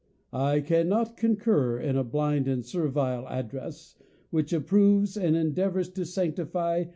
I cannot concur in a blind and servile address, which approves, and endeav ours to sanctify